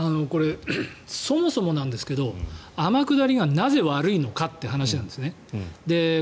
そもそもなんですが天下りがなぜ悪いのかって話なんですね。